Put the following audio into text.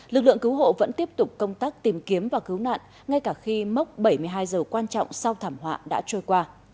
lực lượng cứu hộ vẫn tiếp tục công tác tìm kiếm và cứu nạn ngay cả khi mốc bảy mươi hai giờ quan trọng sau thảm họa đã trôi qua